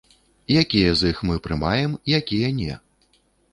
Якія з іх мы прымаем, якія не?